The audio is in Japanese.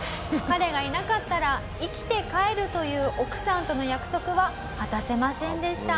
彼がいなかったら生きて帰るという奥さんとの約束は果たせませんでした。